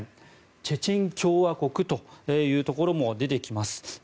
チェチェン共和国というところも出てきます。